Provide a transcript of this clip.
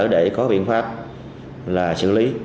để có biện pháp là xử lý